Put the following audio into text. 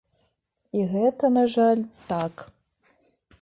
І гэта, на жаль, так.